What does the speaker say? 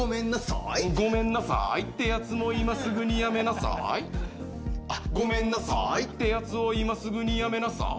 ごめんなさいってやつも今すぐにやめないってやつを今すぐやめなさい。